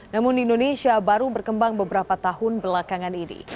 namun di indonesia baru berkembang beberapa tahun belakangan ini